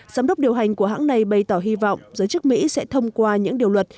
giám đốc điều hành của hãng này bày tỏ hy vọng giới chức mỹ sẽ thông qua những điều luật